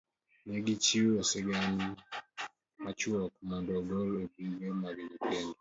Ne gichiwo sigana machuok mondo ogol e buge mag nyithindo.